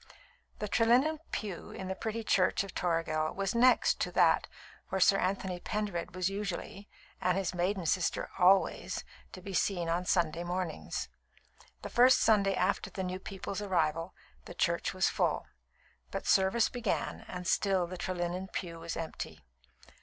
The Trelinnen pew in the pretty church of Toragel was next to that where Sir Anthony Pendered was usually (and his maiden sister always) to be seen on Sunday mornings. The first Sunday after the new people's arrival, the church was full; but service began, and still the Trelinnen pew was empty.